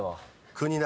国だ。